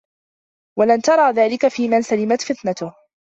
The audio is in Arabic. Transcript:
وَلَنْ تَرَى ذَلِكَ فِيمَنْ سَلِمَتْ فِطْنَتُهُ